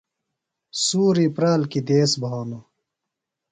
سُوری پرلہ کیۡ دیس بھانوۡ۔